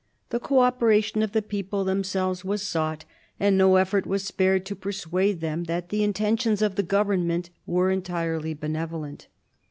The co operation of the people themselves was sought ; and no effort was spared to persuade them that the intentions of the Government were entirely benevolent.